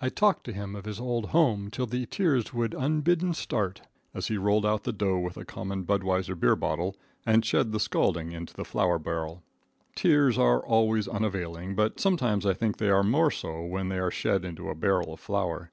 I talked to him of his old home till the tears would unbidden start, as he rolled out the dough with a common Budweiser beer bottle, and shed the scalding into the flour barrel. Tears are always unavailing, but sometimes I think they are more so when they are shed into a barrel of flour.